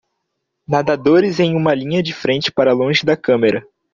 Nadadores em uma linha de frente para longe da câmera